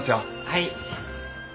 はい。